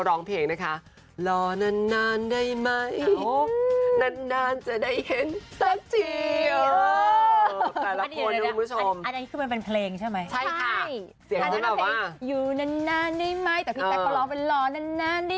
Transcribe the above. ลองเสียเพลงนี่ที่เป็นเพลง